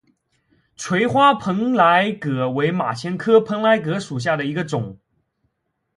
垂花蓬莱葛为马钱科蓬莱葛属下的一个种。